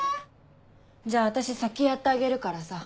じゃあ私先やってあげるからさ。